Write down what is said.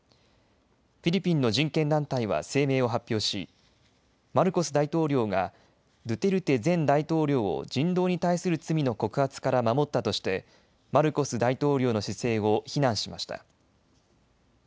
フィリピンの人権団体は声明を発表しマルコス大統領がドゥテルテ前大統領を人道に対する罪の告発から守ったとしてマルコス大統領の姿勢を非難しました。